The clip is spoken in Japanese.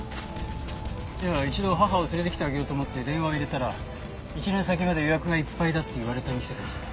いやあ一度母を連れてきてあげようと思って電話を入れたら１年先まで予約がいっぱいだって言われた店ですね。